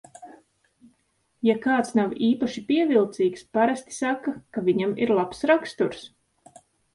Ja kāds nav īpaši pievilcīgs, parasti saka, ka viņam ir labs raksturs.